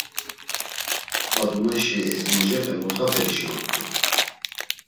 Fadumeşi ezmoce mutxaperişi ort̆u.